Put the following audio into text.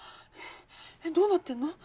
えっどうなってんの？